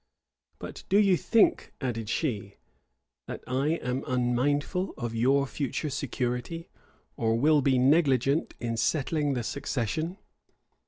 "But do you think," added she, "that I am unmindful of your future security, or will be negligent in settling the succession?